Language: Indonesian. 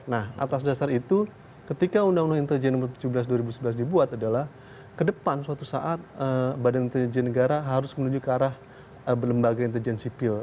nah atas dasar itu ketika undang undang intelijen no tujuh belas dua ribu sebelas dibuat adalah ke depan suatu saat badan intelijen negara harus menuju ke arah lembaga intelijen sipil